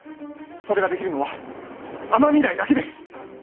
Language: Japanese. それができるのは尼御台だけです。